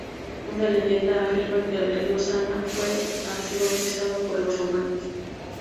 Una leyenda afirma que el río Sana fue así bautizado por los romanos.